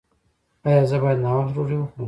ایا زه باید ناوخته ډوډۍ وخورم؟